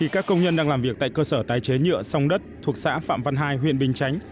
các công nhân đang làm việc tại cơ sở tái chế nhựa song đất thuộc xã phạm văn hai huyện bình chánh